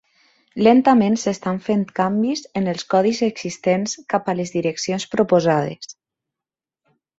Lentament s'estan fent canvis en els codis existents cap a les direccions proposades.